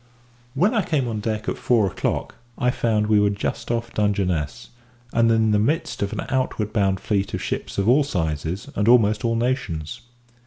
When I came on deck at four o'clock I found we were just off Dungeness, and in the midst of an outward bound fleet of ships of all sizes and almost all nations.